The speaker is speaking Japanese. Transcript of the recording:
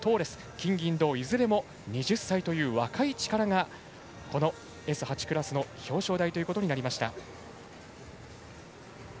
金、銀、銅いずれも２０歳という若い力が表彰台ということになりました。